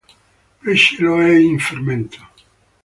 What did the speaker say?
Brescello è in fermento.